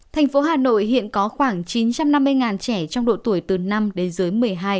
thành phố hà nội hiện có khoảng chín trăm năm mươi trẻ trong độ tuổi từ năm đến dưới một mươi hai